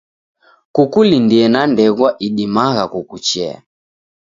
Kukulindie na ndengwa idimagha kukuchea.